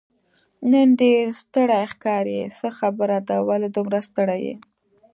نن ډېر ستړی ښکارې، څه خبره ده، ولې دومره ستړی یې؟